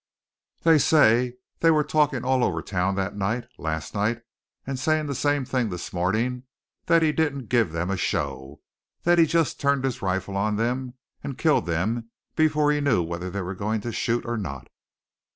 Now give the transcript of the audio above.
"They say, they were talking all over town that night last night and saying the same thing this morning, that he didn't give them a show, that he just turned his rifle on them and killed them before he knew whether they were going to shoot or not!"